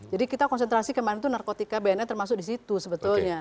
jadi kita konsentrasi kemarin itu narkotika bnn termasuk di situ sebetulnya